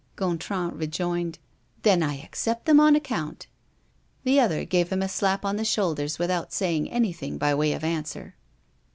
Gontran rejoined: "Then I accept them on account." The other gave him a slap on the shoulder without saying anything by way of answer.